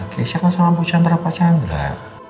keisha kan sama bu chandra pak chandra